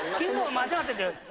間違ってる？